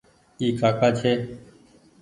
اي ڪآڪآ ڇي ۔